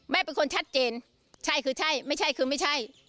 เป็นคนชัดเจนใช่คือใช่ไม่ใช่คือไม่ใช่